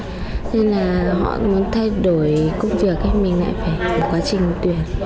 thế là họ muốn thay đổi công việc ấy mình lại phải quá trình tuyển